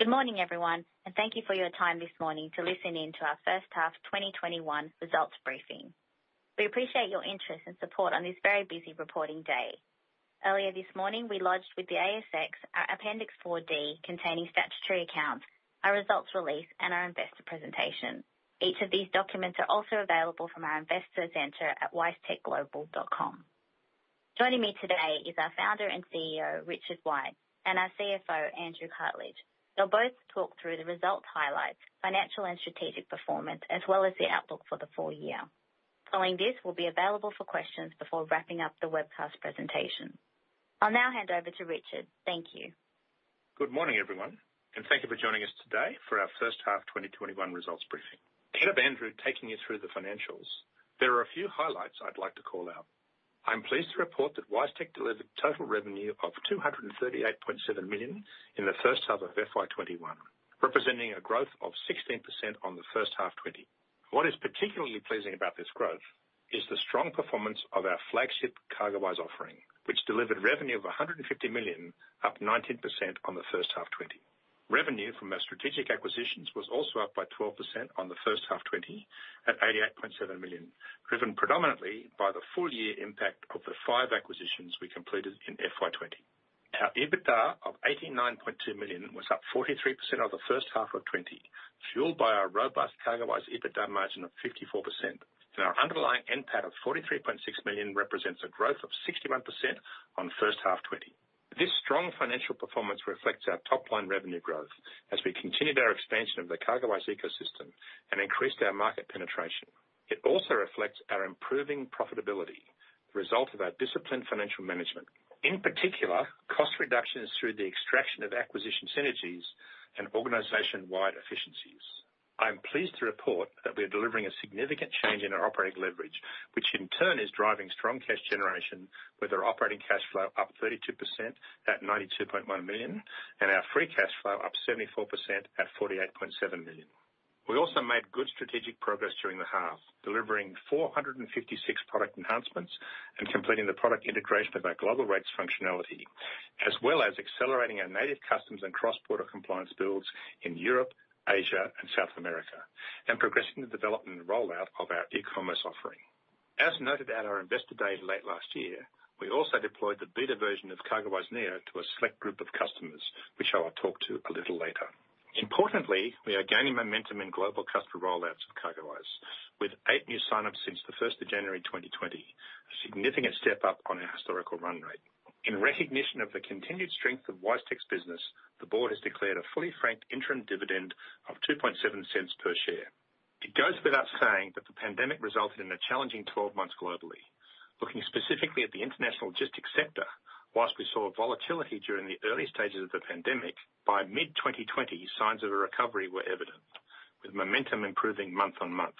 Good morning, everyone. Thank you for your time this morning to listen in to our first half 2021 results briefing. We appreciate your interest and support on this very busy reporting day. Earlier this morning, we lodged with the ASX our Appendix 4D containing statutory accounts, our results release, and our investor presentation. Each of these documents are also available from our investor center at wisetechglobal.com. Joining me today is our Founder and CEO, Richard White, and our CFO, Andrew Cartledge. They'll both talk through the results highlights, financial and strategic performance, as well as the outlook for the full year. Following this, we'll be available for questions before wrapping up the webcast presentation. I'll now hand over to Richard. Thank you. Good morning, everyone. Thank you for joining us today for our first half 2021 results briefing. Ahead of Andrew taking you through the financials, there are a few highlights I'd like to call out. I'm pleased to report that WiseTech delivered total revenue of 238.7 million in the first half of FY 2021, representing a growth of 16% on the first half 2020. What is particularly pleasing about this growth is the strong performance of our flagship CargoWise offering, which delivered revenue of 150 million, up 19% on the first half 2020. Revenue from our strategic acquisitions was also up by 12% on the first half 2020 at 88.7 million, driven predominantly by the full year impact of the five acquisitions we completed in FY 2020. Our EBITDA of 89.2 million was up 43% on the first half of 2020, fueled by our robust CargoWise EBITDA margin of 54%. Our underlying NPAT of 43.6 million represents a growth of 61% on first half 2020. This strong financial performance reflects our top-line revenue growth as we continued our expansion of the CargoWise ecosystem and increased our market penetration. It also reflects our improving profitability, the result of our disciplined financial management, in particular, cost reductions through the extraction of acquisition synergies and organization-wide efficiencies. I am pleased to report that we are delivering a significant change in our operating leverage, which in turn is driving strong cash generation with our operating cash flow up 32% at 92.1 million and our free cash flow up 74% at 48.7 million. We also made good strategic progress during the half, delivering 456 product enhancements and completing the product integration of our global rates functionality, as well as accelerating our native customs and cross-border compliance builds in Europe, Asia, and South America, and progressing the development and rollout of our e-commerce offering. As noted at our investor day late last year, we also deployed the beta version of CargoWise Neo to a select group of customers, which I will talk to a little later. Importantly, we are gaining momentum in global customer rollouts of CargoWise, with eight new sign-ups since the 1st of January 2020, a significant step up on our historical run rate. In recognition of the continued strength of WiseTech's business, the board has declared a fully franked interim dividend of 0.027 per share. It goes without saying that the pandemic resulted in a challenging 12 months globally. Looking specifically at the international logistics sector, whilst we saw volatility during the early stages of the pandemic, by mid-2020 signs of a recovery were evident, with momentum improving month on month,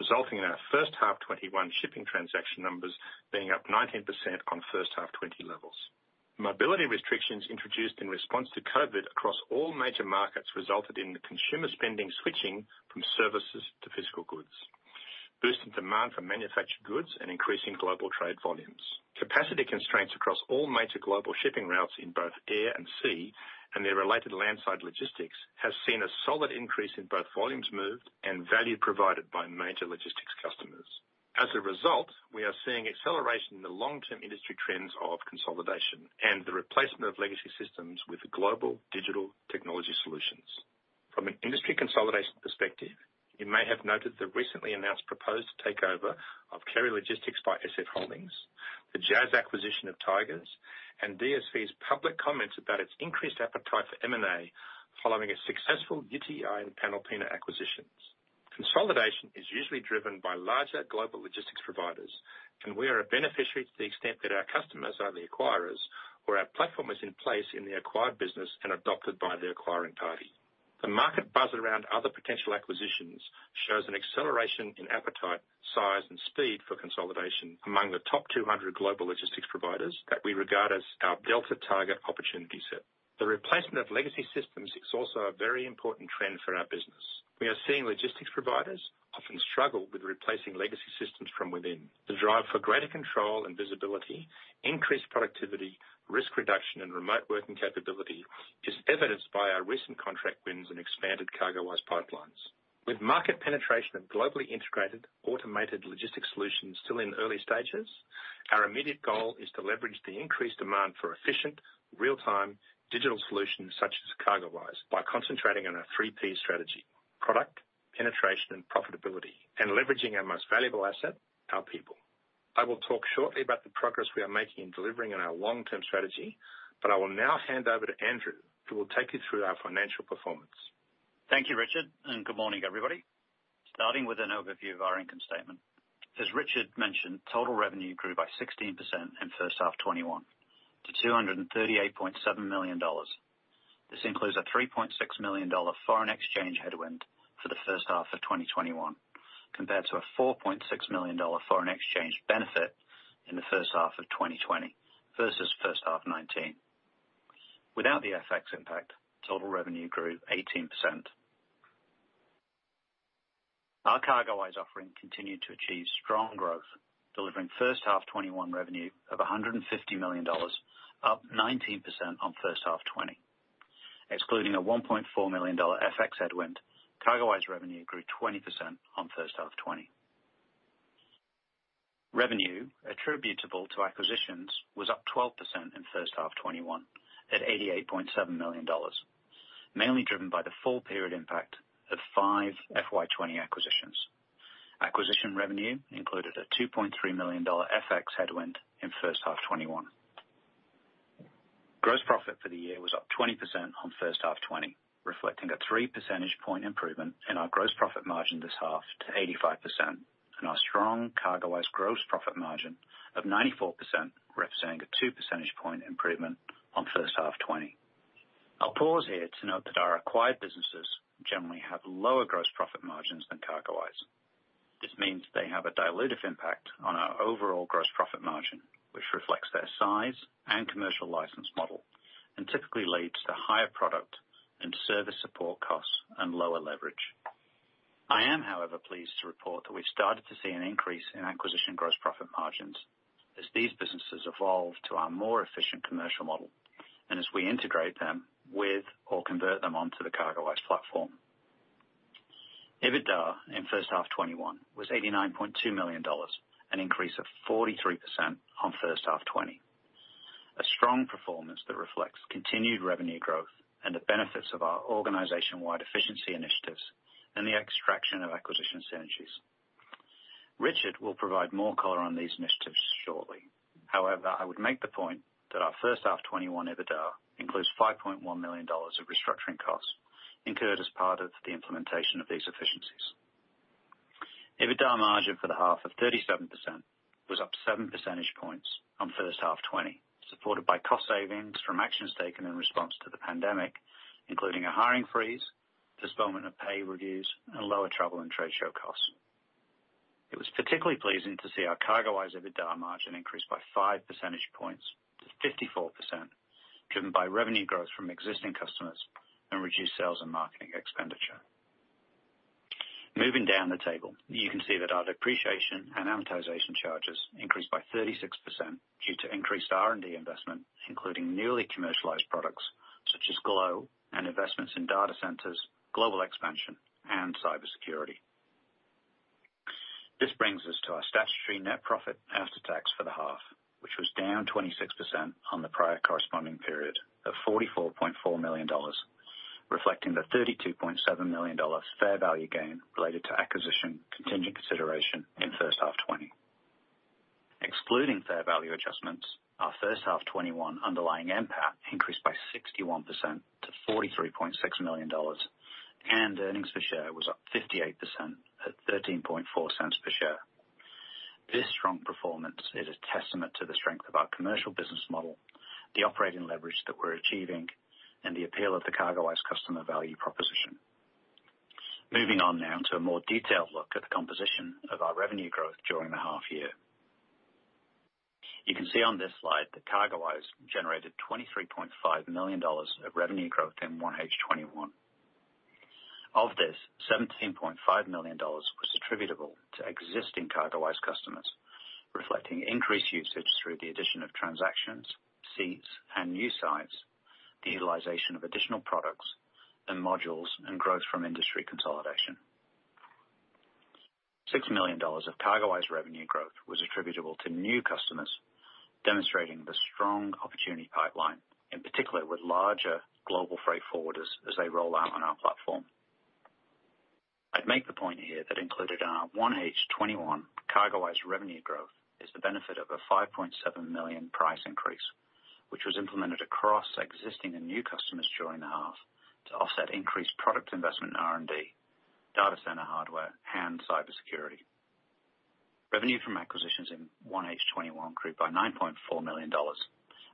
resulting in our first half 2021 shipping transaction numbers being up 19% on first half 2020 levels. Mobility restrictions introduced in response to COVID across all major markets resulted in consumer spending switching from services to physical goods, boosting demand for manufactured goods and increasing global trade volumes. Capacity constraints across all major global shipping routes in both air and sea and their related landside logistics have seen a solid increase in both volumes moved and value provided by major logistics customers. As a result, we are seeing acceleration in the long-term industry trends of consolidation and the replacement of legacy systems with global digital technology solutions. From an industry consolidation perspective, you may have noted the recently announced proposed takeover of Kerry Logistics by SF Holding, the JAS acquisition of Tigers, and DSV's public comments about its increased appetite for M&A following its successful UTi and Panalpina acquisitions. Consolidation is usually driven by larger global logistics providers, and we are a beneficiary to the extent that our customers are the acquirers or our platform is in place in the acquired business and adopted by the acquiring party. The market buzz around other potential acquisitions shows an acceleration in appetite, size, and speed for consolidation among the top 200 global logistics providers that we regard as our delta target opportunity set. The replacement of legacy systems is also a very important trend for our business. We are seeing logistics providers often struggle with replacing legacy systems from within. The drive for greater control and visibility, increased productivity, risk reduction, and remote working capability is evidenced by our recent contract wins and expanded CargoWise pipelines. With market penetration of globally integrated automated logistics solutions still in the early stages, our immediate goal is to leverage the increased demand for efficient, real-time digital solutions such as CargoWise by concentrating on our three P strategy: product, penetration, and profitability, and leveraging our most valuable asset, our people. I will talk shortly about the progress we are making in delivering on our long-term strategy, but I will now hand over to Andrew, who will take you through our financial performance. Thank you, Richard, and good morning, everybody. Starting with an overview of our income statement. As Richard mentioned, total revenue grew by 16% in first half 2021 to 238.7 million dollars. This includes a 3.6 million dollar foreign exchange headwind for the first half of 2021 compared to a 4.6 million dollar foreign exchange benefit in the first half of 2020 versus first half 2019. Without the FX impact, total revenue grew 18%. Our CargoWise offering continued to achieve strong growth, delivering first half 2021 revenue of 150 million dollars, up 19% on first half 2020. Excluding a 1.4 million dollar FX headwind, CargoWise revenue grew 20% on first half 2020. Revenue attributable to acquisitions was up 12% in first half 2021 at 88.7 million dollars, mainly driven by the full period impact of five FY 2020 acquisitions. Acquisition revenue included a 2.3 million dollar FX headwind in first half 2021. Gross profit for the year was up 20% on first half 2020, reflecting a 3 percentage point improvement in our gross profit margin this half to 85%, and our strong CargoWise gross profit margin of 94%, representing a 2 percentage point improvement on first half 2020. I'll pause here to note that our acquired businesses generally have lower gross profit margins than CargoWise. This means they have a dilutive impact on our overall gross profit margin, which reflects their size and commercial license model, and typically leads to higher product and service support costs and lower leverage. I am, however, pleased to report that we've started to see an increase in acquisition gross profit margins as these businesses evolve to our more efficient commercial model, and as we integrate them with or convert them onto the CargoWise platform. EBITDA in first half 2021 was 89.2 million dollars, an increase of 43% on first half 2020. A strong performance that reflects continued revenue growth and the benefits of our organization-wide efficiency initiatives and the extraction of acquisition synergies. Richard will provide more color on these initiatives shortly. I would make the point that our first half 2021 EBITDA includes 5.1 million dollars of restructuring costs incurred as part of the implementation of these efficiencies. EBITDA margin for the half of 37% was up 7 percentage points on first half 2020, supported by cost savings from actions taken in response to the pandemic, including a hiring freeze, postponement of pay reviews, and lower travel and trade show costs. It was particularly pleasing to see our CargoWise EBITDA margin increase 5 percentage points to 54%, driven by revenue growth from existing customers and reduced sales and marketing expenditure. Moving down the table, you can see that our depreciation and amortization charges increased by 36% due to increased R&D investment, including newly commercialized products such as global and investments in data centers, global expansion, and cybersecurity. This brings us to our statutory net profit after tax for the half, which was down 26% on the prior corresponding period of 44.4 million dollars, reflecting the 32.7 million dollars fair value gain related to acquisition contingent consideration in first half 2020. Excluding fair value adjustments, our first half 2021 underlying NPAT increased by 61% to 43.6 million dollars, and earnings per share was up 58% at 0.134 per share. This strong performance is a testament to the strength of our commercial business model, the operating leverage that we're achieving, and the appeal of the CargoWise customer value proposition. Moving on now to a more detailed look at the composition of our revenue growth during the half year. You can see on this slide that CargoWise generated 23.5 million dollars of revenue growth in 1H 2021. Of this, 17.5 million dollars was attributable to existing CargoWise customers, reflecting increased usage through the addition of transactions, seats, and new sites, the utilization of additional products and modules, and growth from industry consolidation. 6 million dollars of CargoWise revenue growth was attributable to new customers, demonstrating the strong opportunity pipeline, in particular with larger global freight forwarders as they roll out on our platform. I'd make the point here that included in our 1H 2021 CargoWise revenue growth is the benefit of a 5.7 million price increase, which was implemented across existing and new customers during the half to offset increased product investment in R&D, data center hardware, and cybersecurity. Revenue from acquisitions in 1H 2021 grew by 9.4 million dollars.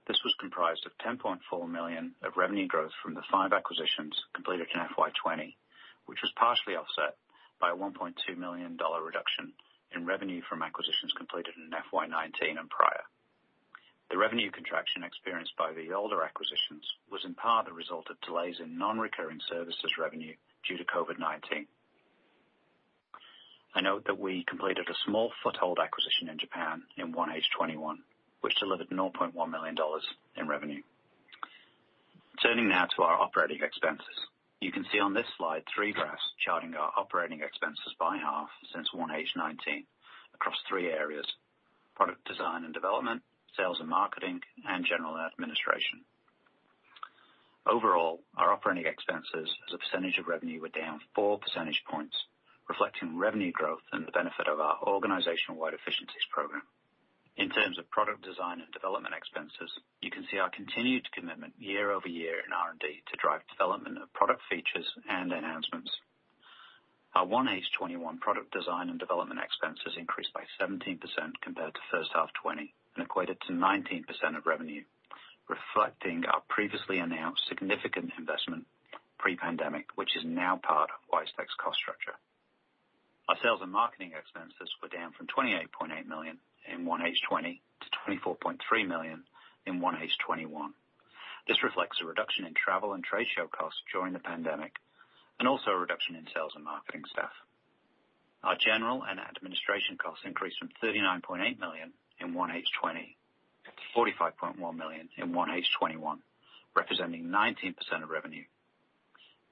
This was comprised of 10.4 million of revenue growth from the five acquisitions completed in FY 2020, which was partially offset by an 1.2 million dollar reduction in revenue from acquisitions completed in FY 2019 and prior. The revenue contraction experienced by the older acquisitions was in part the result of delays in non-recurring services revenue due to COVID-19. I note that we completed a small foothold acquisition in Japan in 1H 2021, which delivered 0.1 million dollars in revenue. Turning now to our operating expenses. You can see on this slide three graphs charting our operating expenses by half since 1H 2019 across three areas: product design and development, sales and marketing, and general administration. Overall, our operating expenses as a percentage of revenue were down 4 percentage points, reflecting revenue growth and the benefit of our organization-wide efficiencies program. In terms of product design and development expenses, you can see our continued commitment year-over-year in R&D to drive development of product features and enhancements. Our 1H 2021 product design and development expenses increased by 17% compared to 1H 2020 and equated to 19% of revenue, reflecting our previously announced significant investment pre-pandemic, which is now part of WiseTech's cost structure. Our sales and marketing expenses were down from 28.8 million in 1H 2020 to 24.3 million in 1H 2021. This reflects a reduction in travel and trade show costs during the pandemic, and also a reduction in sales and marketing staff. Our general and administration costs increased from 39.8 million in 1H 2020 to 45.1 million in 1H 2021, representing 19% of revenue.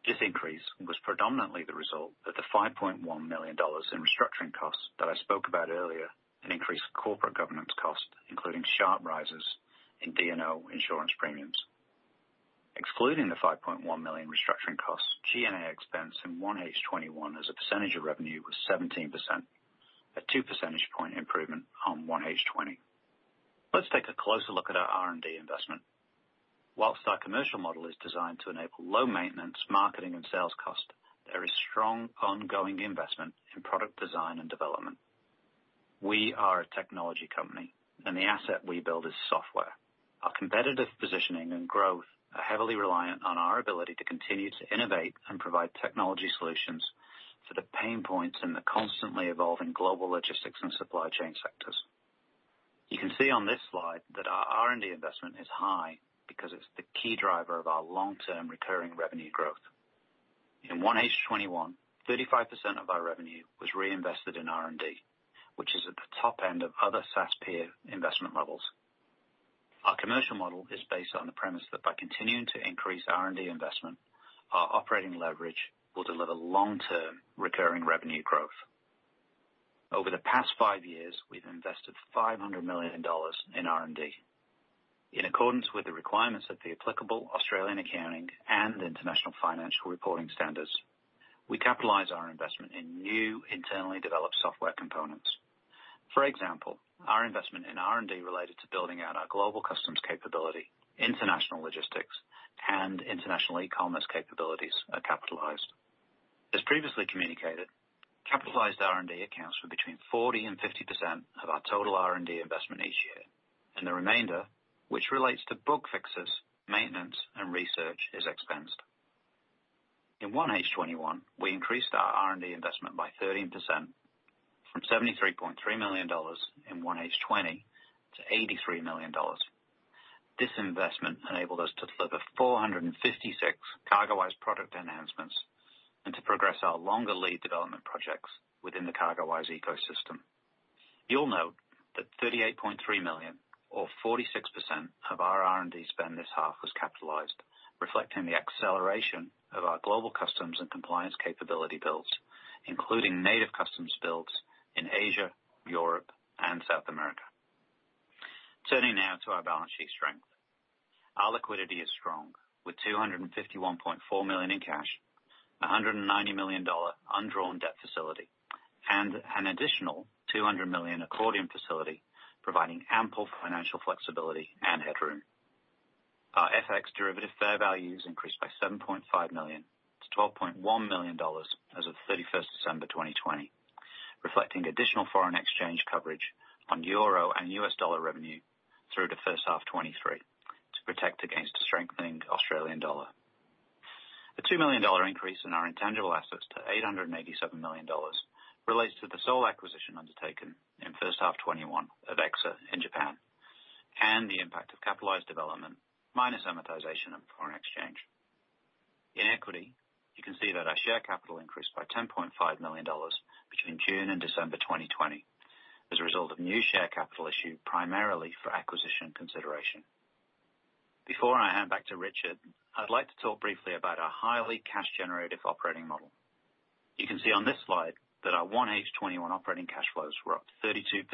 This increase was predominantly the result of the 5.1 million dollars in restructuring costs that I spoke about earlier, and increased corporate governance costs, including sharp rises in D&O insurance premiums. Excluding the 5.1 million restructuring costs, G&A expense in 1H21 as a percentage of revenue was 17%, a 2 percentage point improvement on 1H20. Let's take a closer look at our R&D investment. Whilst our commercial model is designed to enable low maintenance, marketing, and sales cost, there is strong ongoing investment in product design and development. We are a technology company, and the asset we build is software. Our competitive positioning and growth are heavily reliant on our ability to continue to innovate and provide technology solutions for the pain points in the constantly evolving global logistics and supply chain sectors. You can see on this slide that our R&D investment is high because it's the key driver of our long-term recurring revenue growth. In 1H 2021, 35% of our revenue was reinvested in R&D, which is at the top end of other SaaS peer investment levels. Our commercial model is based on the premise that by continuing to increase R&D investment, our operating leverage will deliver long-term recurring revenue growth. Over the past five years, we've invested 500 million dollars in R&D. In accordance with the requirements of the applicable Australian Accounting and International Financial Reporting Standards, we capitalize our investment in new internally developed software components. For example, our investment in R&D related to building out our global customs capability, international logistics, and international e-commerce capabilities are capitalized. As previously communicated, capitalized R&D accounts for between 40% and 50% of our total R&D investment each year. The remainder, which relates to bug fixes, maintenance, and research, is expensed. In 1H 2021, we increased our R&D investment by 13%, from 73.3 million dollars in 1H 2020 to 83 million dollars. This investment enabled us to deliver 456 CargoWise product enhancements and to progress our longer lead development projects within the CargoWise ecosystem. You'll note that 38.3 million or 46% of our R&D spend this half was capitalized, reflecting the acceleration of our global customs and compliance capability builds, including native customs builds in Asia, Europe, and South America. Turning now to our balance sheet strength. Our liquidity is strong, with 251.4 million in cash, 190 million dollar undrawn debt facility, and an additional 200 million accordion facility providing ample financial flexibility and headroom. Our FX derivative fair values increased by 7.5 million to 12.1 million dollars as of 31st December 2020, reflecting additional foreign exchange coverage on euro and US dollar revenue through to first half 2023 to protect against a strengthening Australian dollar. A 2 million dollar increase in our intangible assets to 887 million dollars relates to the sole acquisition undertaken in first half 2021 of EXA in Japan and the impact of capitalized development minus amortization and foreign exchange. In equity, you can see that our share capital increased by 10.5 million dollars between June and December 2020 as a result of new share capital issued primarily for acquisition consideration. Before I hand back to Richard, I'd like to talk briefly about our highly cash generative operating model. You can see on this slide that our 1H 2021 operating cash flows were up 32%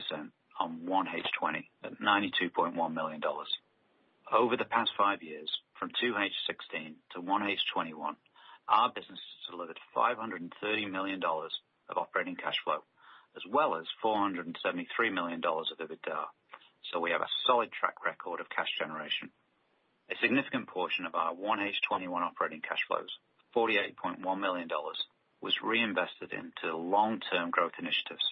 on 1H 2020 at 92.1 million dollars. Over the past five years, from 2H 2016 to 1H 2021, our business has delivered 530 million dollars of operating cash flow as well as 473 million dollars of EBITDA, so we have a solid track record of cash generation. A significant portion of our 1H 2021 operating cash flows, 48.1 million dollars, was reinvested into long-term growth initiatives.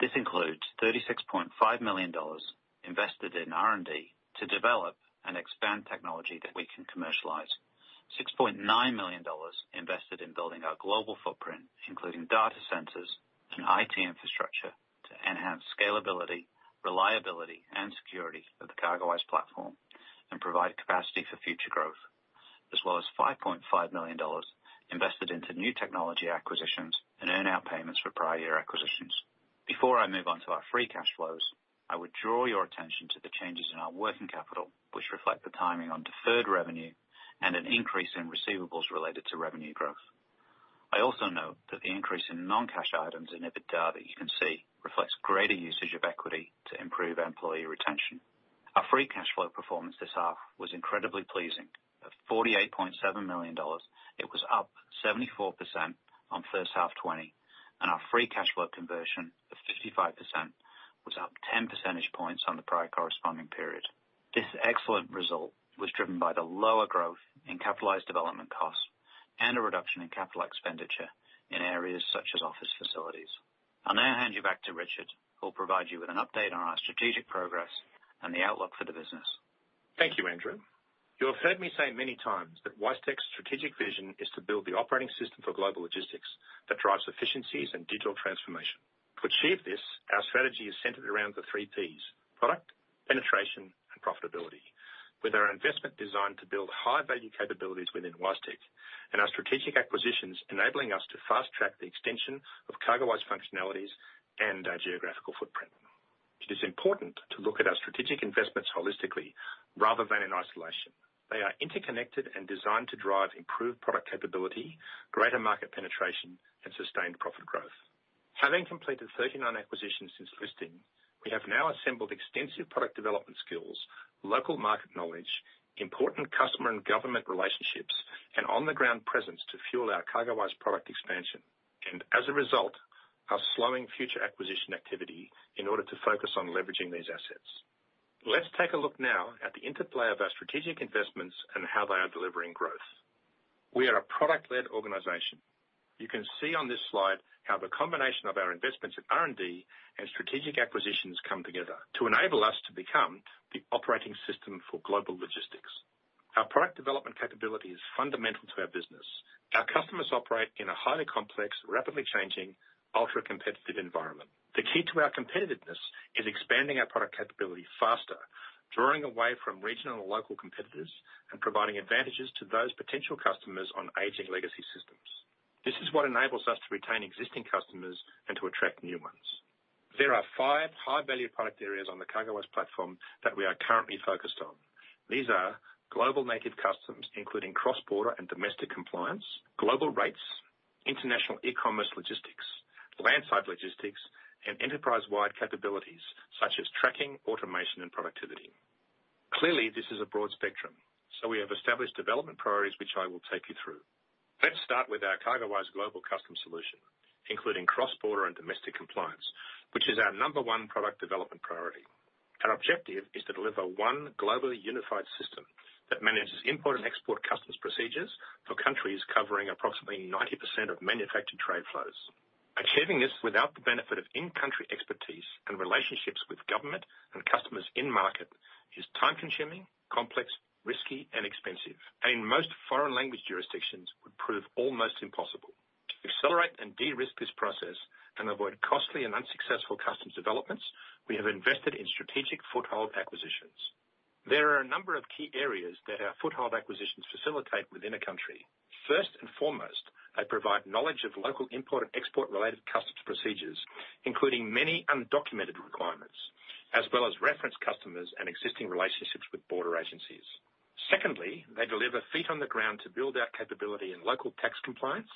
This includes 36.5 million dollars invested in R&D to develop and expand technology that we can commercialize. 6.9 million dollars invested in building our global footprint, including data centers and IT infrastructure to enhance scalability, reliability, and security of the CargoWise platform and provide capacity for future growth. As well as 5.5 million dollars invested into new technology acquisitions and earn-out payments for prior year acquisitions. Before I move on to our free cash flows, I would draw your attention to the changes in our working capital, which reflect the timing on deferred revenue and an increase in receivables related to revenue growth. I also note that the increase in non-cash items in EBITDA that you can see reflects greater usage of equity to improve employee retention. Our free cash flow performance this half was incredibly pleasing. At 48.7 million dollars, it was up 74% on first half 2020, and our free cash flow conversion of 55% was up 10 percentage points on the prior corresponding period. This excellent result was driven by the lower growth in capitalized development costs and a reduction in capital expenditure in areas such as office facilities. I'll now hand you back to Richard, who'll provide you with an update on our strategic progress and the outlook for the business. Thank you, Andrew. You have heard me say many times that WiseTech's strategic vision is to build the operating system for global logistics that drives efficiencies and digital transformation. To achieve this, our strategy is centered around the 3 Ps: product, penetration, and profitability. With our investment designed to build high-value capabilities within WiseTech, and our strategic acquisitions enabling us to fast-track the extension of CargoWise functionalities and our geographical footprint. It is important to look at our strategic investments holistically rather than in isolation. They are interconnected and designed to drive improved product capability, greater market penetration, and sustained profit growth. Having completed 39 acquisitions since listing, we have now assembled extensive product development skills, local market knowledge, important customer and government relationships, and on-the-ground presence to fuel our CargoWise product expansion. As a result, are slowing future acquisition activity in order to focus on leveraging these assets. Let's take a look now at the interplay of our strategic investments and how they are delivering growth. We are a product-led organization. You can see on this slide how the combination of our investments in R&D and strategic acquisitions come together to enable us to become the operating system for global logistics. Our product development capability is fundamental to our business. Our customers operate in a highly complex, rapidly changing, ultra-competitive environment. The key to our competitiveness is expanding our product capability faster, drawing away from regional and local competitors, and providing advantages to those potential customers on aging legacy systems. This is what enables us to retain existing customers and to attract new ones. There are five high-value product areas on the CargoWise platform that we are currently focused on. These are global native customs, including cross-border and domestic compliance, global rates, international e-commerce logistics, landside logistics, and enterprise-wide capabilities such as tracking, automation, and productivity. Clearly, this is a broad spectrum, so we have established development priorities, which I will take you through. Let's start with our CargoWise global customs solution, including cross-border and domestic compliance, which is our number one product development priority. Our objective is to deliver one globally unified system that manages import and export customs procedures for countries covering approximately 90% of manufactured trade flows. Achieving this without the benefit of in-country expertise and relationships with government and customers in market is time-consuming, complex, risky, and expensive. Most foreign language jurisdictions would prove almost impossible. To accelerate and de-risk this process and avoid costly and unsuccessful customs developments, we have invested in strategic foothold acquisitions. There are a number of key areas that our foothold acquisitions facilitate within a country. First and foremost, they provide knowledge of local import and export-related customs procedures, including many undocumented requirements, as well as reference customers and existing relationships with border agencies. Secondly, they deliver feet on the ground to build our capability in local tax compliance,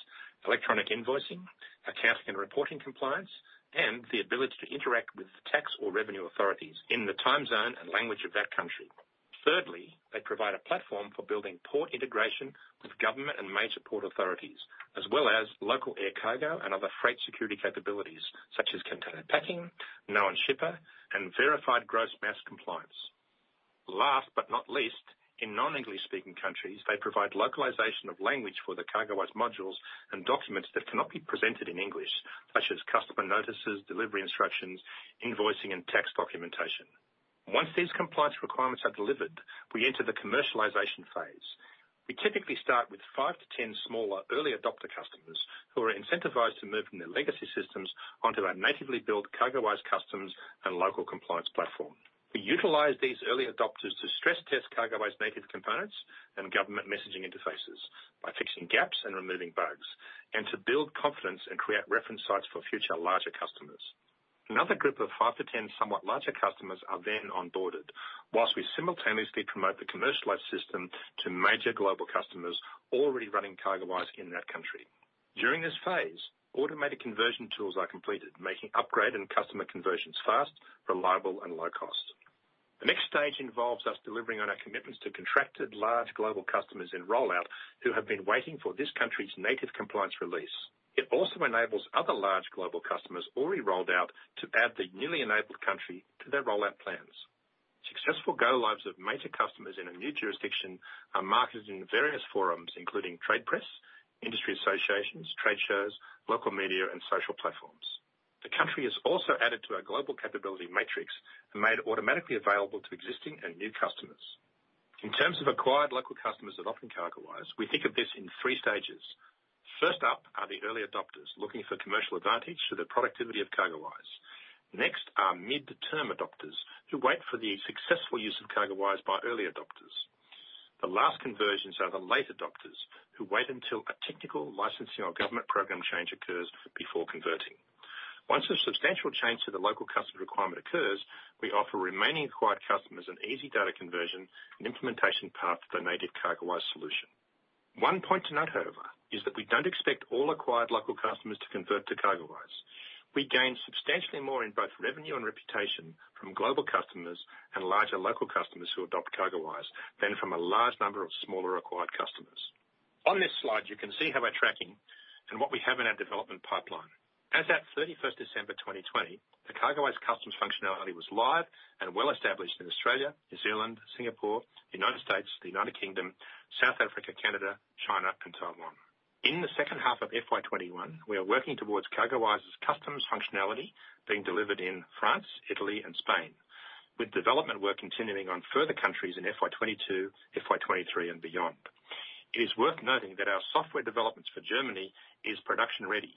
electronic invoicing, accounting and reporting compliance, and the ability to interact with tax or revenue authorities in the time zone and language of that country. Thirdly, they provide a platform for building port integration with government and major port authorities, as well as local air cargo and other freight security capabilities such as container packing, known shipper, and verified gross mass compliance. Last but not least, in non-English speaking countries, they provide localization of language for the CargoWise modules and documents that cannot be presented in English, such as customer notices, delivery instructions, invoicing, and tax documentation. Once these compliance requirements are delivered, we enter the commercialization phase. We typically start with 5-10 smaller early adopter customers who are incentivized to move from their legacy systems onto our natively built CargoWise customs and local compliance platform. We utilize these early adopters to stress-test CargoWise native components and government messaging interfaces by fixing gaps and removing bugs, and to build confidence and create reference sites for future larger customers. Another group of 5-10 somewhat larger customers are then onboarded whilst we simultaneously promote the commercialized system to major global customers already running CargoWise in that country. During this phase, automated conversion tools are completed, making upgrade and customer conversions fast, reliable, and low cost. The next stage involves us delivering on our commitments to contracted large global customers in rollout who have been waiting for this country's native compliance release. It also enables other large global customers already rolled out to add the newly enabled country to their rollout plans. Successful go-lives of major customers in a new jurisdiction are marketed in various forums, including trade press, industry associations, trade shows, local media, and social platforms. The country is also added to our global capability matrix and made automatically available to existing and new customers. In terms of acquired local customers adopting CargoWise, we think of this in three stages. First up are the early adopters looking for commercial advantage through the productivity of CargoWise. Next are mid-to-term adopters who wait for the successful use of CargoWise by early adopters. The last conversions are the late adopters who wait until a technical licensing or government program change occurs before converting. Once a substantial change to the local customer requirement occurs, we offer remaining acquired customers an easy data conversion and implementation path to the native CargoWise solution. One point to note, however, is that we don't expect all acquired local customers to convert to CargoWise. We gain substantially more in both revenue and reputation from global customers and larger local customers who adopt CargoWise than from a large number of smaller acquired customers. On this slide, you can see how we're tracking and what we have in our development pipeline. As at 31st December 2020, the CargoWise customs functionality was live and well established in Australia, New Zealand, Singapore, the U.S., the U.K., South Africa, Canada, China, and Taiwan. In the second half of FY 2021, we are working towards CargoWise's customs functionality being delivered in France, Italy, and Spain. With development work continuing on further countries in FY 2022, FY 2023, and beyond. It is worth noting that our software developments for Germany is production-ready.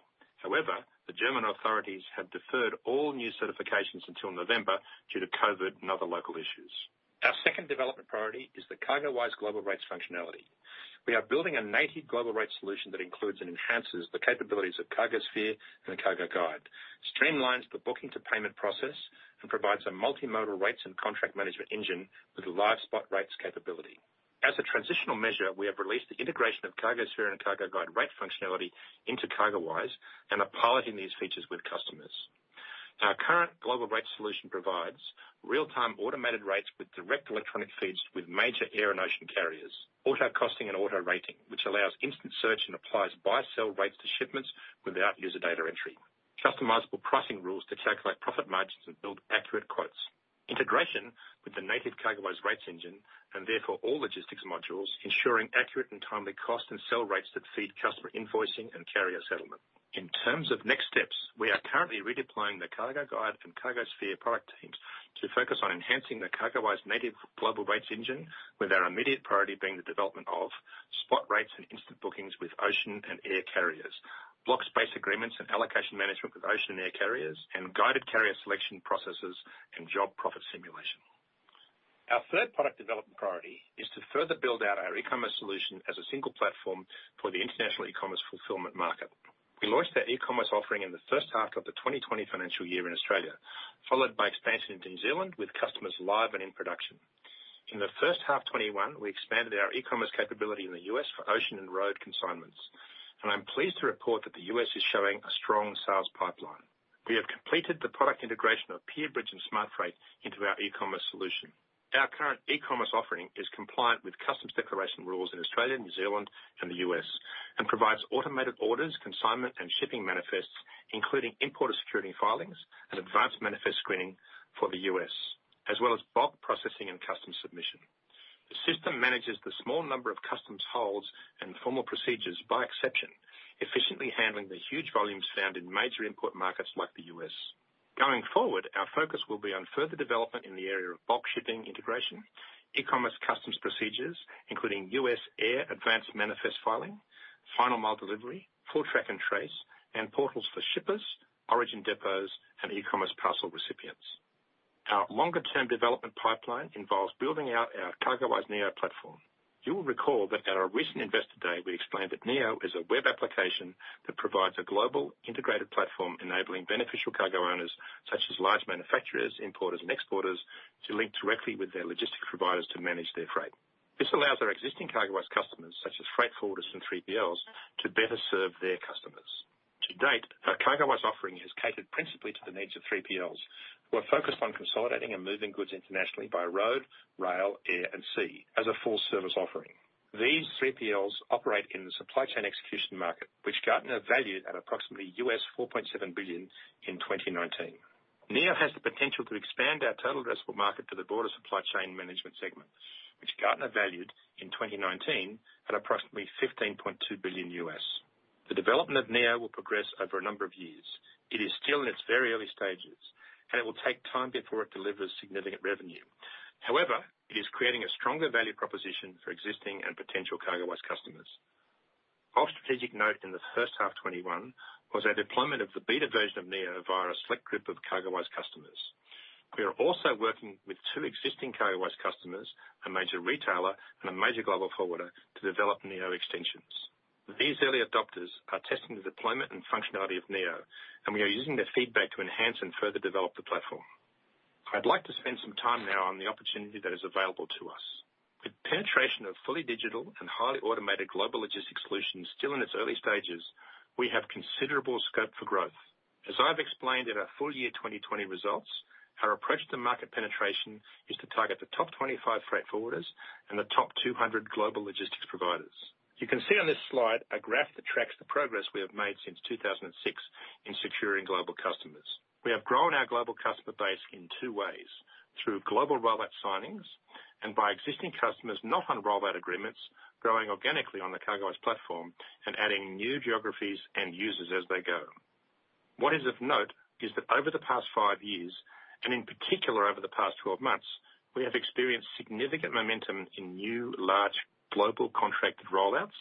However, the German authorities have deferred all new certifications until November due to COVID and other local issues. Our second development priority is the CargoWise Global Rates functionality. We are building a native global rate solution that includes and enhances the capabilities of CargoSphere and the CargoGuide, streamlines the booking to payment process, and provides a multimodal rates and contract management engine with a live spot rates capability. As a transitional measure, we have released the integration of CargoSphere and CargoGuide rate functionality into CargoWise and are piloting these features with customers. Our current global rates solution provides real-time automated rates with direct electronic feeds with major air and ocean carriers, auto-costing and auto-rating, which allows instant search and applies buy/sell rates to shipments without user data entry, customizable pricing rules to calculate profit margins and build accurate quotes, integration with the native CargoWise rates engine, and therefore all logistics modules ensuring accurate and timely cost and sell rates that feed customer invoicing and carrier settlement. In terms of next steps, we are currently redeploying the CargoGuide and CargoSphere product teams to focus on enhancing the CargoWise native Global Rates Engine with our immediate priority being the development of spot rates and instant bookings with ocean and air carriers, block space agreements and allocation management with ocean and air carriers, and guided carrier selection processes and job profit simulation. Our third product development priority is to further build out our e-commerce solution as a single platform for the international e-commerce fulfillment market. We launched our e-commerce offering in the first half of the 2020 financial year in Australia, followed by expansion in New Zealand with customers live and in production. In the first half 2021, we expanded our e-commerce capability in the U.S. for ocean and road consignments, and I'm pleased to report that the U.S. is showing a strong sales pipeline. We have completed the product integration of Pierbridge and SmartFreight into our e-commerce solution. Our current e-commerce offering is compliant with customs declaration rules in Australia, New Zealand, and the U.S., and provides automated orders, consignment, and shipping manifests, including importer security filings and advanced manifest screening for the U.S., as well as bulk processing and customs submission. The system manages the small number of customs holds and formal procedures by exception, efficiently handling the huge volumes found in major import markets like the U.S. Going forward, our focus will be on further development in the area of bulk shipping integration, e-commerce customs procedures, including U.S. air advanced manifest filing, final mile delivery, full track and trace, and portals for shippers, origin depots, and e-commerce parcel recipients. Our longer-term development pipeline involves building out our CargoWise Neo platform. You will recall that at our recent investor day, we explained that Neo is a web application that provides a global integrated platform enabling beneficial cargo owners such as large manufacturers, importers, and exporters, to link directly with their logistics providers to manage their freight. This allows our existing CargoWise customers, such as freight forwarders and 3PLs, to better serve their customers. To date, our CargoWise offering has catered principally to the needs of 3PLs, who are focused on consolidating and moving goods internationally by road, rail, air, and sea as a full-service offering. These 3PLs operate in the supply chain execution market, which Gartner valued at approximately $4.7 billion in 2019. Neo has the potential to expand our total addressable market to the broader supply chain management segment, which Gartner valued in 2019 at approximately $15.2 billion. The development of Neo will progress over a number of years. It is still in its very early stages, and it will take time before it delivers significant revenue. However, it is creating a stronger value proposition for existing and potential CargoWise customers. Of strategic note in the first half 2021 was our deployment of the beta version of Neo via a select group of CargoWise customers. We are also working with two existing CargoWise customers, a major retailer and a major global forwarder, to develop Neo extensions. These early adopters are testing the deployment and functionality of Neo, and we are using their feedback to enhance and further develop the platform. I'd like to spend some time now on the opportunity that is available to us. With penetration of fully digital and highly automated global logistics solutions still in its early stages, we have considerable scope for growth. As I've explained in our full year 2020 results, our approach to market penetration is to target the top 25 freight forwarders and the top 200 global logistics providers. You can see on this slide a graph that tracks the progress we have made since 2006 in securing global customers. We have grown our global customer base in two ways, through global rollout signings and by existing customers not on rollout agreements growing organically on the CargoWise platform and adding new geographies and users as they go. What is of note is that over the past five years, and in particular over the past 12 months, we have experienced significant momentum in new large global contracted rollouts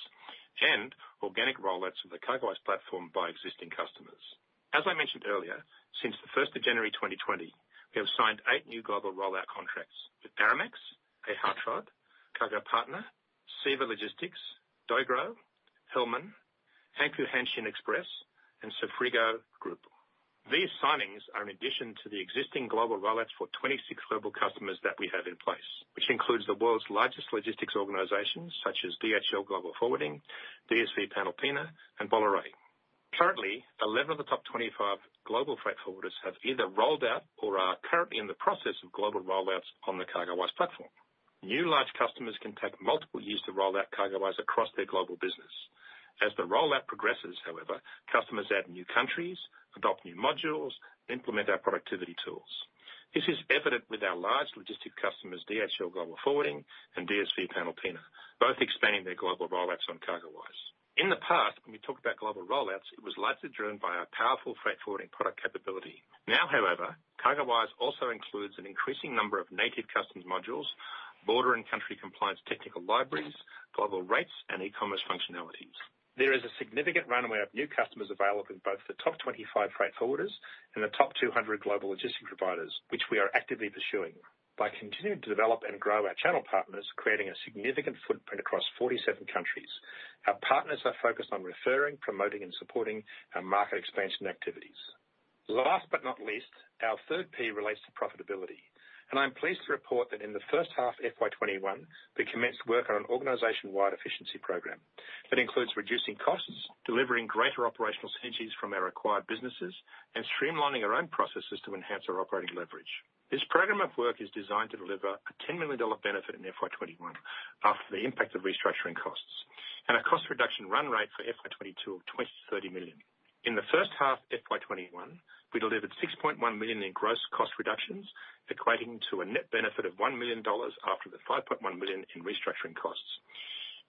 and organic rollouts of the CargoWise platform by existing customers. As I mentioned earlier, since the 1st of January 2020, we have signed eight new global rollout contracts with Aramex, A. hartrodt, cargo-partner, CEVA Logistics, Dachser, Hellmann, Hankyu Hanshin Express, and Seafrigo Group. These signings are in addition to the existing global rollouts for 26 global customers that we have in place, which includes the world's largest logistics organizations such as DHL Global Forwarding, DSV Panalpina, and Bolloré. Currently, 11 of the top 25 global freight forwarders have either rolled out or are currently in the process of global rollouts on the CargoWise platform. New large customers can take multiple years to roll out CargoWise across their global business. As the rollout progresses, however, customers add new countries, adopt new modules, implement our productivity tools. This is evident with our large logistics customers, DHL Global Forwarding and DSV Panalpina, both expanding their global rollouts on CargoWise. In the past, when we talked about global rollouts, it was largely driven by our powerful freight forwarding product capability. Now, however, CargoWise also includes an increasing number of native customs modules, border and country compliance technical libraries, global rates, and e-commerce functionalities. There is a significant runway of new customers available in both the top 25 freight forwarders and the top 200 global logistics providers, which we are actively pursuing by continuing to develop and grow our channel partners, creating a significant footprint across 47 countries. Our partners are focused on referring, promoting, and supporting our market expansion activities. Last but not least, our third P relates to profitability, and I'm pleased to report that in the first half of FY 2021, we commenced work on an organization-wide efficiency program that includes reducing costs, delivering greater operational synergies from our acquired businesses, and streamlining our own processes to enhance our operating leverage. This program of work is designed to deliver a 10 million dollar benefit in FY 2021 after the impact of restructuring costs and a cost reduction run rate for FY 2022 of 20 million-30 million. In the first half of FY 2021, we delivered 6.1 million in gross cost reductions, equating to a net benefit of 1 million dollars after the 5.1 million in restructuring costs.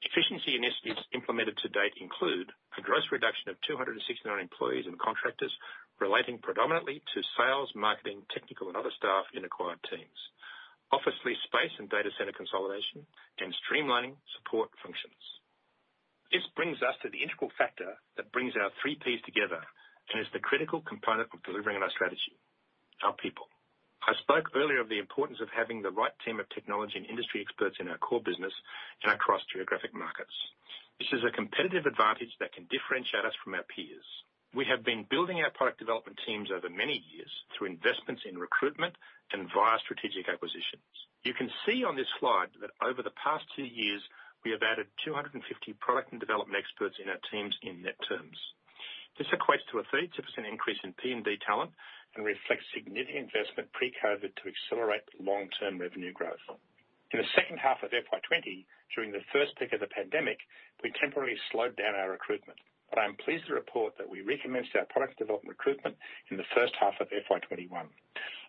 Efficiency initiatives implemented to date include a gross reduction of 269 employees and contractors relating predominantly to sales, marketing, technical, and other staff in acquired teams. Office lease space and data center consolidation and streamlining support functions. This brings us to the integral factor that brings our three Ps together and is the critical component of delivering on our strategy, our people. I spoke earlier of the importance of having the right team of technology and industry experts in our core business and across geographic markets. This is a competitive advantage that can differentiate us from our peers. We have been building our product development teams over many years through investments in recruitment and via strategic acquisitions. You can see on this slide that over the past two years, we have added 250 product and development experts in our teams in net terms. This equates to a 32% increase in P&D talent and reflects significant investment pre-COVID to accelerate long-term revenue growth. In the second half of FY 2020, during the first peak of the pandemic, we temporarily slowed down our recruitment, but I'm pleased to report that we recommenced our product development recruitment in the first half of FY 2021.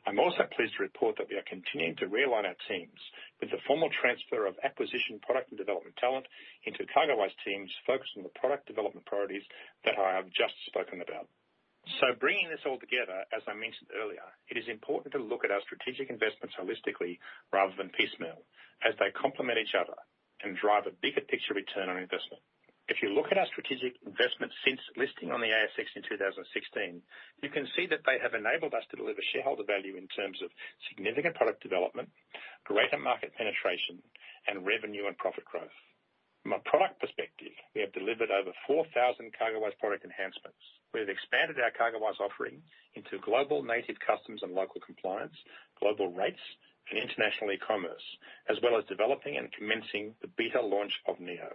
I'm also pleased to report that we are continuing to realign our teams with the formal transfer of acquisition product and development talent into CargoWise teams focused on the product development priorities that I have just spoken about. Bringing this all together, as I mentioned earlier, it is important to look at our strategic investments holistically rather than piecemeal, as they complement each other and drive a bigger picture return on investment. If you look at our strategic investments since listing on the ASX in 2016, you can see that they have enabled us to deliver shareholder value in terms of significant product development, greater market penetration, and revenue and profit growth. From a product perspective, we have delivered over 4,000 CargoWise product enhancements. We have expanded our CargoWise offerings into global native customs and local compliance, global rates, and international e-commerce, as well as developing and commencing the beta launch of Neo.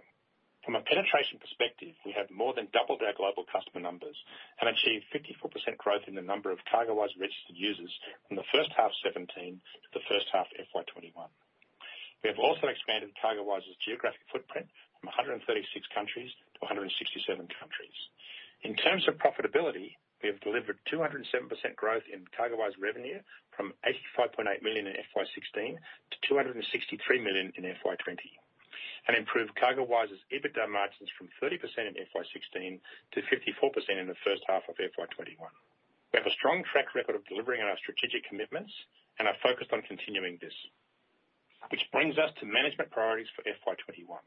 From a penetration perspective, we have more than doubled our global customer numbers and achieved 54% growth in the number of CargoWise registered users from the first half of 2017 to the first half of FY 2021. We have also expanded CargoWise's geographic footprint from 136 countries to 167 countries. In terms of profitability, we have delivered 207% growth in CargoWise revenue from AUD 85.8 million in FY 2016 to AUD 263 million in FY 2020 and improved CargoWise's EBITDA margins from 30% in FY 2016 to 54% in the first half of FY 2021. We have a strong track record of delivering on our strategic commitments and are focused on continuing this, which brings us to management priorities for FY 2021.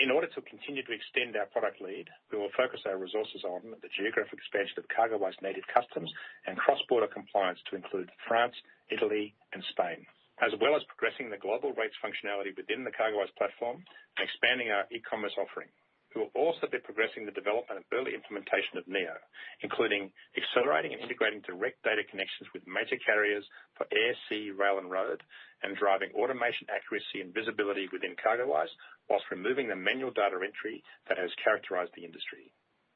In order to continue to extend our product lead, we will focus our resources on the geographic expansion of CargoWise Native Customs and cross-border compliance to include France, Italy, and Spain, as well as progressing the global rates functionality within the CargoWise platform and expanding our e-commerce offering. We will also be progressing the development and early implementation of Neo, including accelerating and integrating direct data connections with major carriers for air, sea, rail, and road, and driving automation accuracy and visibility within CargoWise whilst removing the manual data entry that has characterized the industry.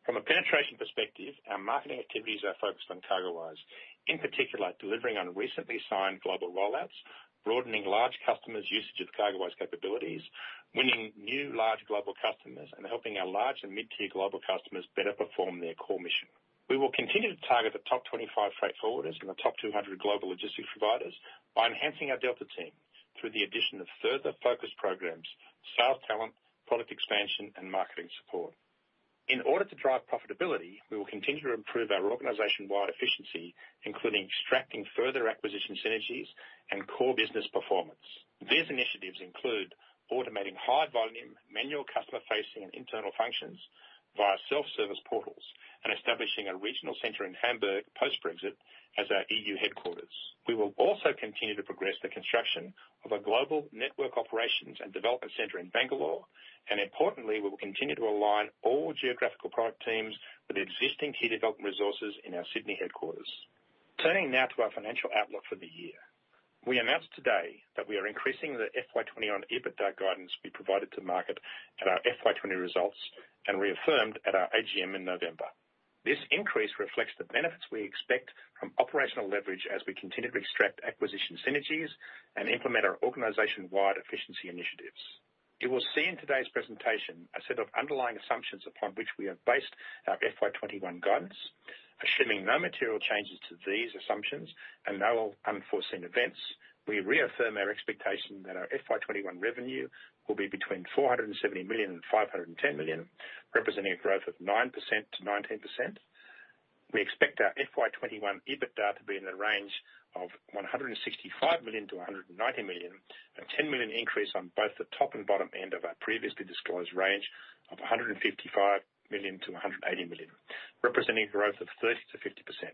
From a penetration perspective, our marketing activities are focused on CargoWise, in particular, delivering on recently signed global rollouts, broadening large customers' usage of CargoWise capabilities, winning new large global customers, and helping our large and mid-tier global customers better perform their core mission. We will continue to target the top 25 freight forwarders and the top 200 global logistics providers by enhancing our delta team through the addition of further focused programs, sales talent, product expansion, and marketing support. In order to drive profitability, we will continue to improve our organization-wide efficiency, including extracting further acquisition synergies and core business performance. These initiatives include automating high volume, manual customer-facing and internal functions via self-service portals and establishing a regional center in Hamburg post-Brexit as our EU headquarters. We will also continue to progress the construction of a global network operations and development center in Bangalore, and importantly, we will continue to align all geographical product teams with existing key development resources in our Sydney headquarters. Turning now to our financial outlook for the year. We announced today that we are increasing the FY 2021 EBITDA guidance we provided to market at our FY 2020 results and reaffirmed at our AGM in November. This increase reflects the benefits we expect from operational leverage as we continue to extract acquisition synergies and implement our organization-wide efficiency initiatives. You will see in today's presentation a set of underlying assumptions upon which we have based our FY 2021 guidance. Assuming no material changes to these assumptions and no unforeseen events, we reaffirm our expectation that our FY 2021 revenue will be between 470 million and 510 million, representing a growth of 9%-19%. We expect our FY 2021 EBITDA to be in the range of 165 million to 190 million, an 10 million increase on both the top and bottom end of our previously disclosed range of 155 million to 180 million, representing a growth of 30%-50%.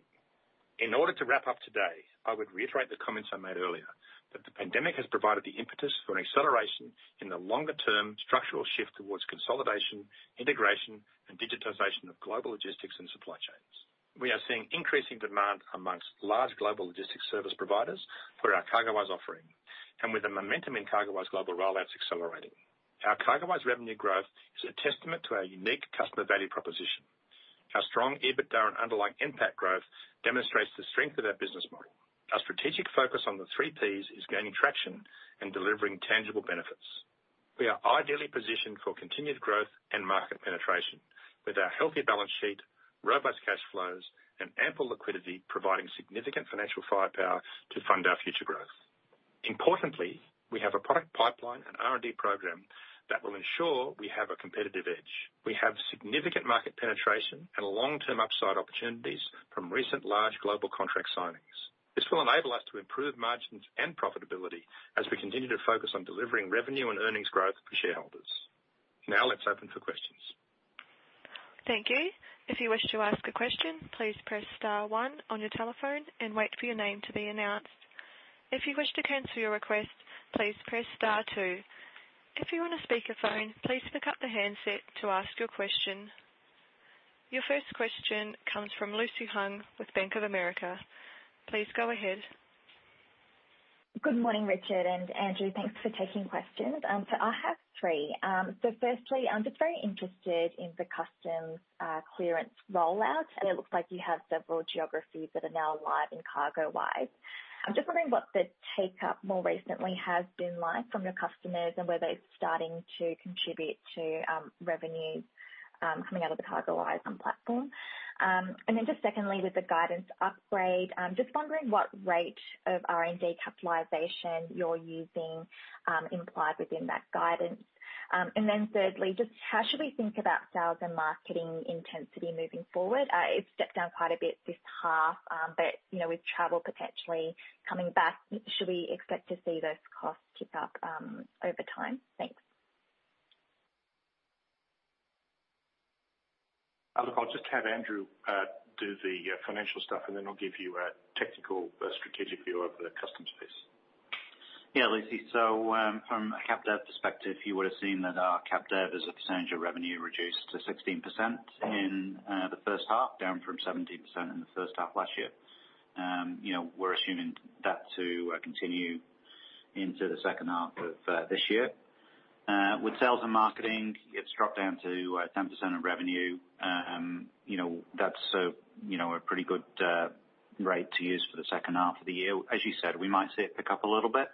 In order to wrap up today, I would reiterate the comments I made earlier, that the pandemic has provided the impetus for an acceleration in the longer-term structural shift towards consolidation, integration, and digitization of global logistics and supply chains. We are seeing increasing demand amongst large global logistics service providers for our CargoWise offering. With the momentum in CargoWise global rollouts accelerating. Our CargoWise revenue growth is a testament to our unique customer value proposition. Our strong EBITDA and underlying NPAT growth demonstrates the strength of our business model. Our strategic focus on the 3 Ps is gaining traction and delivering tangible benefits. We are ideally positioned for continued growth and market penetration. With our healthy balance sheet, robust cash flows, and ample liquidity providing significant financial firepower to fund our future growth. Importantly, we have a product pipeline and R&D program that will ensure we have a competitive edge. We have significant market penetration and long-term upside opportunities from recent large global contract signings. This will enable us to improve margins and profitability as we continue to focus on delivering revenue and earnings growth for shareholders. Now, let's open for questions. Thank you. If you wish to ask a question, please press star one on your telephone and wait for your name to be announced. If you wish to cancel your request, please press star two. If you're on a speakerphone, please pick up the handset to ask your question. Your first question comes from Lucy Huang with Bank of America. Please go ahead. Good morning, Richard and Andrew. Thanks for taking questions. I have three. Firstly, I'm just very interested in the customs clearance rollout. It looks like you have several geographies that are now live in CargoWise. I'm just wondering what the take-up more recently has been like from your customers and whether it's starting to contribute to revenues coming out of the CargoWise platform. Then just secondly, with the guidance upgrade, just wondering what rate of R&D capitalization you're using implied within that guidance. Then thirdly, just how should we think about sales and marketing intensity moving forward? It stepped down quite a bit this half, but with travel potentially coming back, should we expect to see those costs tick up over time? Thanks. Look, I'll just have Andrew do the financial stuff, and then I'll give you a technical, strategic view of the customs piece. Yeah, Lucy. From a cap dev perspective, you would've seen that our cap dev as a percentage of revenue reduced to 16% in the first half, down from 17% in the first half last year. We're assuming that to continue into the second half of this year. With sales and marketing, it's dropped down to 10% of revenue. That's a pretty good rate to use for the second half of the year. As you said, we might see it pick up a little bit,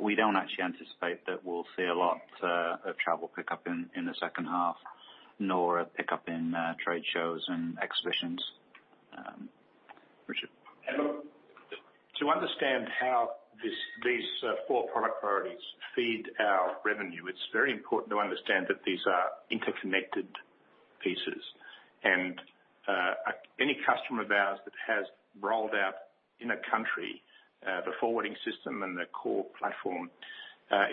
we don't actually anticipate that we'll see a lot of travel pickup in the second half, nor a pickup in trade shows and exhibitions. Richard. Look, to understand how these four product priorities feed our revenue, it's very important to understand that these are interconnected pieces. Any customer of ours that has rolled out in a country, the forwarding system and the core platform,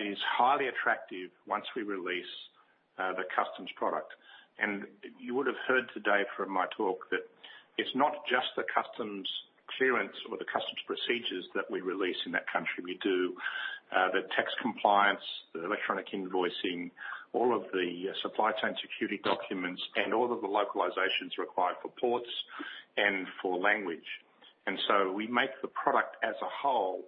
is highly attractive once we release the customs product. You would've heard today from my talk that it's not just the customs clearance or the customs procedures that we release in that country. We do the tax compliance, the electronic invoicing, all of the supply chain security documents, and all of the localizations required for ports and for language. We make the product as a whole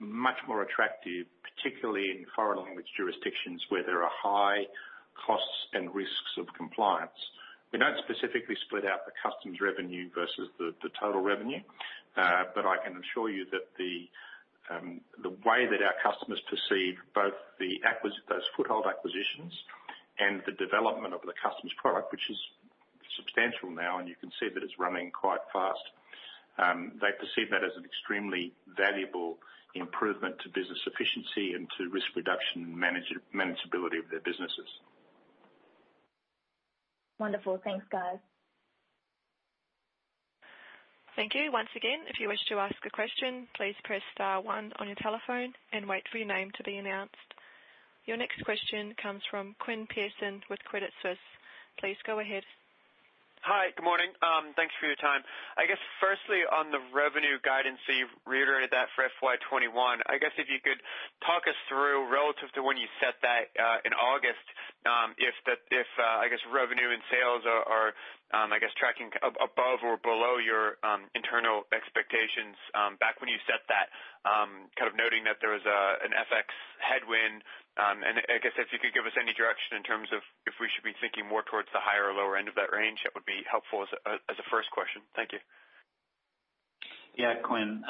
much more attractive, particularly in foreign language jurisdictions where there are high costs and risks of compliance. We don't specifically split out the customs revenue versus the total revenue. I can assure you that the way that our customers perceive both those foothold acquisitions and the development of the customs product, which is substantial now. You can see that it's running quite fast. They perceive that as an extremely valuable improvement to business efficiency and to risk reduction and manageability of their businesses. Wonderful. Thanks, guys. Thank you. Once again, if you wish to ask a question, please press star one on your telephone and wait for your name to be announced. Your next question comes from Quinn Pierson with Credit Suisse. Please go ahead. Hi. Good morning. Thanks for your time. I guess firstly, on the revenue guidance, you've reiterated that for FY 2021. I guess if you could talk us through relative to when you set that in August. If, I guess, revenue and sales are tracking above or below your internal expectations back when you set that. Kind of noting that there was an FX headwind. I guess if you could give us any direction in terms of if we should be thinking more towards the higher or lower end of that range, that would be helpful as a first question. Thank you. Yeah, Quinn.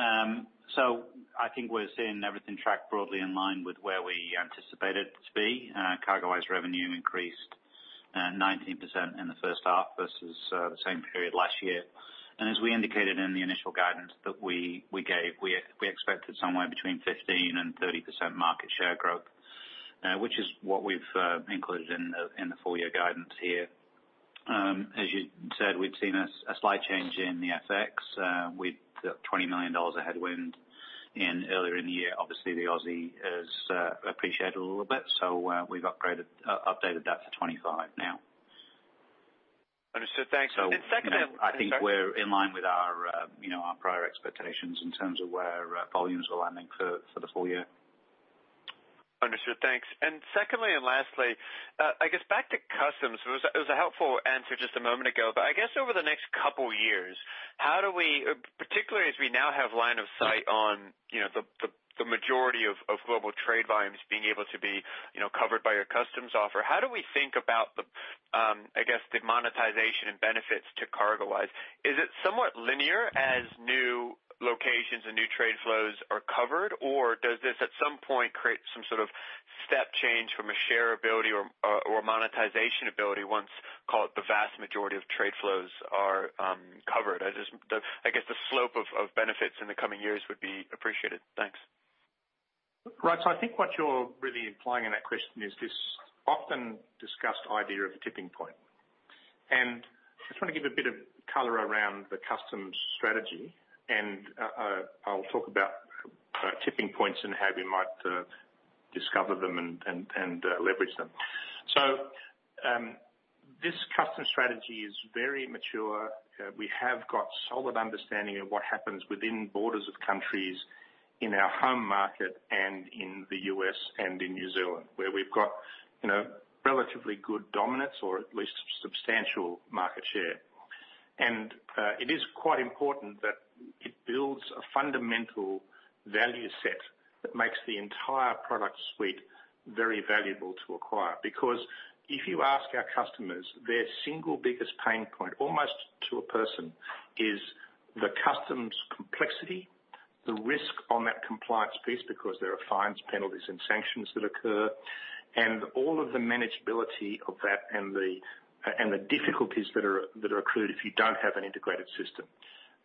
I think we're seeing everything track broadly in line with where we anticipated to be. CargoWise revenue increased 19% in the first half versus the same period last year. As we indicated in the initial guidance that we gave, we expected somewhere between 15%-30% market share growth, which is what we've included in the full year guidance here. As you said, we've seen a slight change in the FX with 20 million dollars of headwind earlier in the year. Obviously, the Aussie has appreciated a little bit. We've updated that to 25 million now. Understood. Thanks. Secondly. I think we're in line with our prior expectations in terms of where volumes are landing for the full year. Understood. Thanks. Secondly and lastly, I guess back to customs. It was a helpful answer just a moment ago, but I guess over the next couple years, particularly as we now have line of sight on the majority of global trade volumes being able to be covered by your customs offer, how do we think about the, I guess, the monetization and benefits to CargoWise? Is it somewhat linear as new locations and new trade flows are covered? Does this at some point create some sort of step change from a share ability or monetization ability once, call it, the vast majority of trade flows are covered? I guess the slope of benefits in the coming years would be appreciated. Thanks. I think what you're really implying in that question is this often discussed idea of a tipping point. I just want to give a bit of color around the customs strategy and I'll talk about tipping points and how we might discover them and leverage them. This customs strategy is very mature. We have got solid understanding of what happens within borders of countries in our home market and in the U.S. and in New Zealand, where we've got relatively good dominance or at least substantial market share. It is quite important that it builds a fundamental value set that makes the entire product suite very valuable to acquire. Because if you ask our customers, their single biggest pain point, almost to a person, is the customs complexity, the risk on that compliance piece, because there are fines, penalties and sanctions that occur, and all of the manageability of that and the difficulties that are accrued if you don't have an integrated system.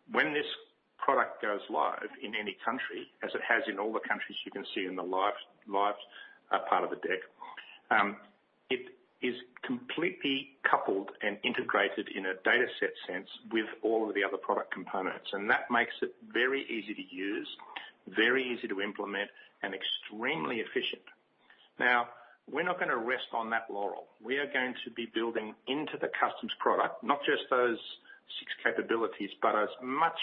When this product goes live in any country, as it has in all the countries you can see in the live part of the deck, it is completely coupled and integrated in a data set sense with all of the other product components. That makes it very easy to use, very easy to implement and extremely efficient. Now, we're not going to rest on that laurel. We are going to be building into the customs product, not just those six capabilities, but as much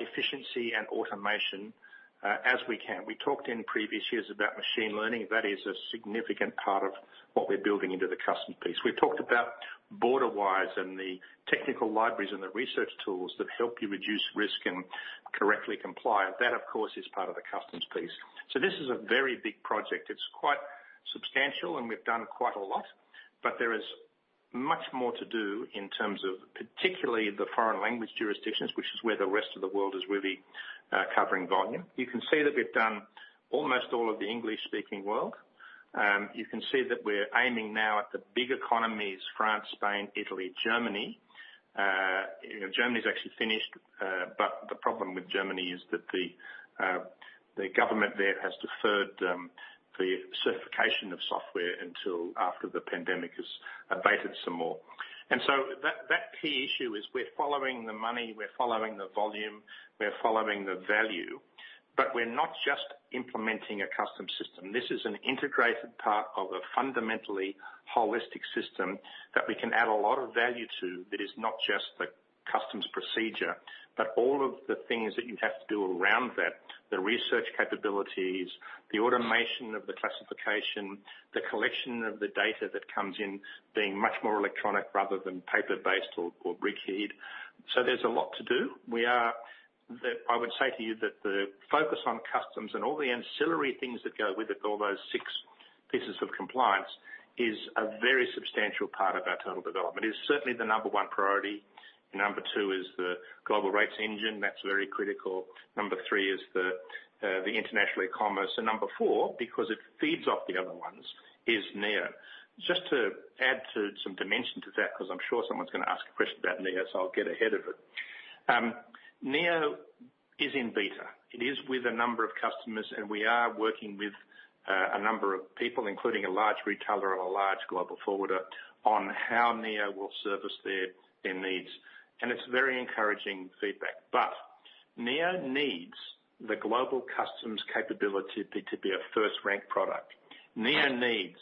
efficiency and automation as we can. We talked in previous years about machine learning. That is a significant part of what we're building into the customs piece. We've talked about BorderWise and the technical libraries and the research tools that help you reduce risk and correctly comply. That, of course, is part of the customs piece. This is a very big project. It's quite substantial and we've done quite a lot, but there is much more to do in terms of particularly the foreign language jurisdictions, which is where the rest of the world is really covering volume. You can see that we've done almost all of the English-speaking world. You can see that we're aiming now at the big economies, France, Spain, Italy, Germany. Germany is actually finished, but the problem with Germany is that the government there has deferred the certification of software until after the pandemic has abated some more. That key issue is we're following the money, we're following the volume, we're following the value, but we're not just implementing a customs system. This is an integrated part of a fundamentally holistic system that we can add a lot of value to that is not just the customs procedure, but all of the things that you have to do around that. The research capabilities, the automation of the classification, the collection of the data that comes in being much more electronic rather than paper-based or key. There's a lot to do. I would say to you that the focus on customs and all the ancillary things that go with it, all those six pieces of compliance, is a very substantial part of our total development. It is certainly the number one priority. Number two is the Global Rates Engine. That's very critical. Number three is the international commerce. Number four, because it feeds off the other ones, is Neo. Just to add some dimension to that, because I'm sure someone's going to ask a question about Neo, so I'll get ahead of it. Neo is in beta. It is with a number of customers, and we are working with a number of people, including a large retailer and a large global forwarder, on how Neo will service their needs. It's very encouraging feedback. Neo needs the global customs capability to be a first-rank product. Neo needs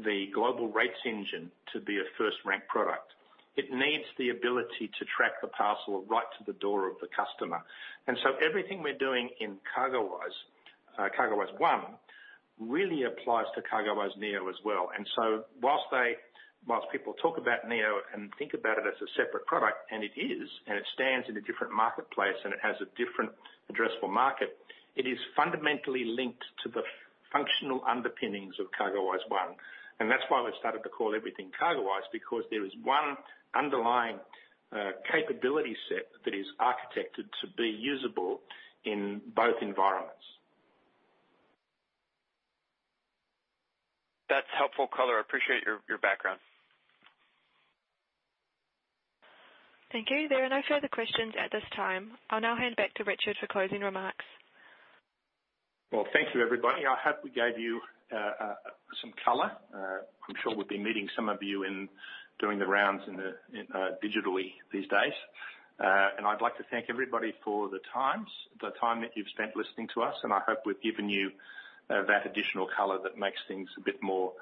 the Global Rates Engine to be a first-rank product. It needs the ability to track the parcel right to the door of the customer. Everything we're doing in CargoWise One really applies to CargoWise Neo as well. Whilst people talk about Neo and think about it as a separate product, and it is, and it stands in a different marketplace, and it has a different addressable market, it is fundamentally linked to the functional underpinnings of CargoWise One. That's why we've started to call everything CargoWise, because there is one underlying capability set that is architected to be usable in both environments. That's helpful color. I appreciate your background. Thank you. There are no further questions at this time. I'll now hand back to Richard for closing remarks. Well, thank you, everybody. I hope we gave you some color. I'm sure we'll be meeting some of you and doing the rounds digitally these days. I'd like to thank everybody for the time that you've spent listening to us, and I hope we've given you that additional color that makes things a bit more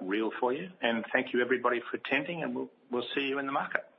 real for you. Thank you everybody for attending, and we'll see you in the market.